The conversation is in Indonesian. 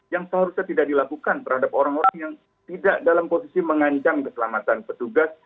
yang seharusnya tidak dilakukan terhadap orang orang yang tidak dalam posisi mengancam keselamatan petugas